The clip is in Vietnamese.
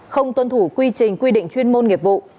không tuân thủ quy trình quy định chuyên môn nghiệp vụ